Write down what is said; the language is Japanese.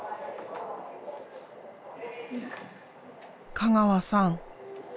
香川さん。